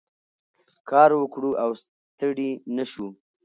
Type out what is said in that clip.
کار وکړو او ستړي نه شو.